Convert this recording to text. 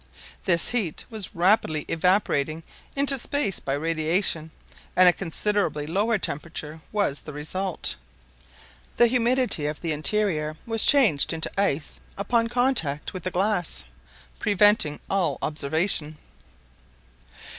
This heat was rapidly evaporating into space by radiation, and a considerably lower temperature was the result. The humidity of the interior was changed into ice upon contact with the glass, preventing all observation.